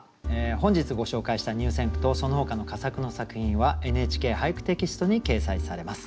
本日ご紹介した入選句とそのほかの佳作の作品は「ＮＨＫ俳句」テキストに掲載されます。